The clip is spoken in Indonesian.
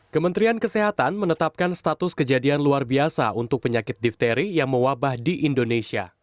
kementerian kesehatan menetapkan status kejadian luar biasa untuk penyakit difteri yang mewabah di indonesia